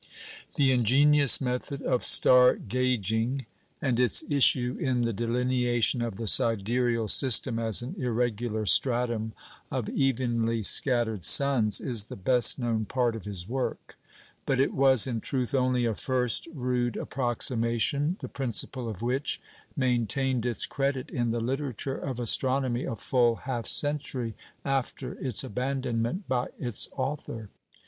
The ingenious method of "star gauging," and its issue in the delineation of the sidereal system as an irregular stratum of evenly scattered suns, is the best known part of his work. But it was, in truth, only a first rude approximation, the principle of which maintained its credit in the literature of astronomy a full half century after its abandonment by its author.